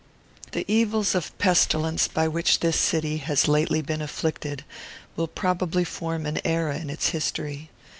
The evils of pestilence by which this city has lately been afflicted will probably form an era in its history.